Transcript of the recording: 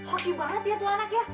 hoki banget ya tuanak ya